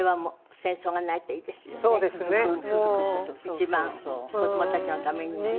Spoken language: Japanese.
一番子供たちのためにもね。